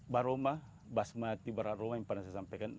baroma basmati bararoma yang pernah saya sampaikan